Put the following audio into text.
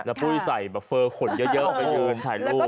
แล้วปุ้ยใส่แบบเฟอร์ขนเยอะไปยืนถ่ายรูป